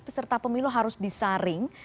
peserta pemilu harus disaring